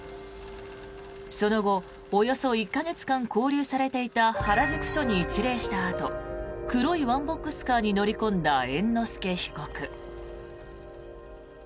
その後およそ１か月間勾留されていた原宿署に一礼したあと黒いワンボックスカーに乗り込んだ猿之助被告。